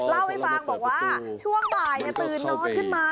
เล่าให้ฟังบอกว่าช่วงบ่ายตื่นนอนขึ้นมา